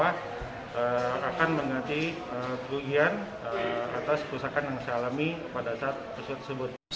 akan mengatakan perlugian atas kerusakan yang saya alami pada saat perusahaan tersebut